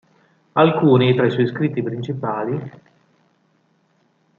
Alcuni tra i suoi scritti principali